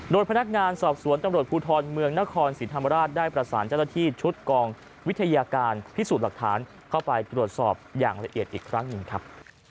โดยพนักงานสอบสวนตำรวจภูทรเมืองนครศรีธรรมราชได้ประสานเจ้าหน้าที่ชุดกองวิทยาการพิสูจน์หลักฐานเข้าไปตรวจสอบอย่างละเอียดอีกครั้งหนึ่งครับ